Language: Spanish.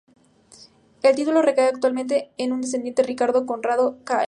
El título recae actualmente en su descendiente Ricardo Conrado Krahe.